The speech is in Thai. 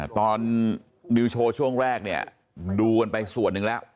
ตอนนิวโชว์ช่วงแรกเนี่ยดูกันไปส่วนหนึ่งแล้ว